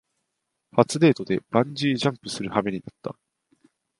初デートでバンジージャンプするはめになった